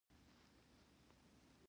د ښځو و ماشومانو وژل هېڅ پروا نه کوي.